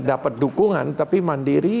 dapat dukungan tapi mandiri